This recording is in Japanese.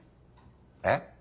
えっ？